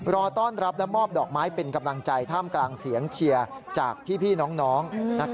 รอต้อนรับและมอบดอกไม้เป็นกำลังใจท่ามกลางเสียงเชียร์จากพี่น้อง